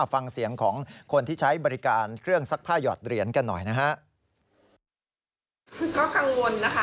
ฟังเสียงของคนที่ใช้บริการเครื่องซักผ้าหยอดเหรียญกันหน่อยนะฮะ